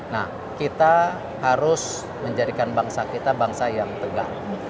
nah kita harus menjadikan bangsa kita bangsa yang tegang